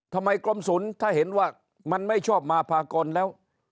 กรมศูนย์ถ้าเห็นว่ามันไม่ชอบมาพากลแล้ว